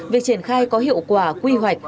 việc triển khai có hiệu quả quy hoạch